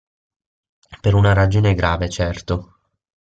Per una ragione grave, certo.